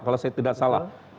kalau saya tidak salah